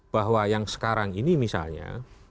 bahwa yang sekarang ini misalnya